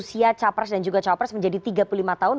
usia capres dan juga cawapres menjadi tiga puluh lima tahun